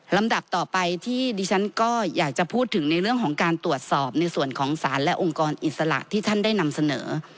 ลำดับต่อไปที่ดิฉันก็อยากจะพูดถึงในเรื่องของการตรวจสอบในส่วนของศาลและองค์กรอิสระที่ท่านได้นำเสนอ